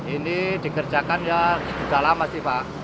ini dikerjakan ya sudah lama sih pak